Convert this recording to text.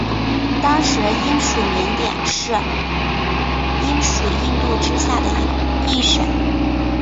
当时英属缅甸是英属印度之下的一省。